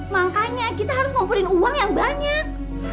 makanya kita harus ngumpulin uang yang banyak